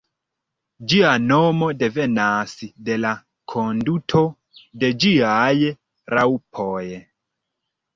Ĝia nomo devenas de la konduto de ĝiaj raŭpoj.